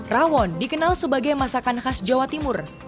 rawon dikenal sebagai masakan khas jawa timur